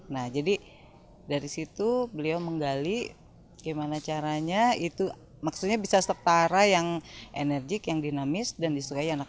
nah jadi dari situ beliau menggali gimana caranya itu maksudnya bisa setara yang enerjik yang dinamis dan disukai anak anak